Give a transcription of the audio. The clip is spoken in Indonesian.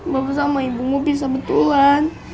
bapak sama ibu mau pisah betulan